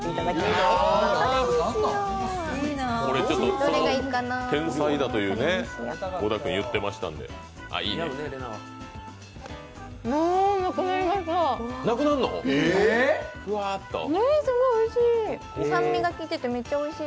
すごいおいしい。